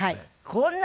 こんな。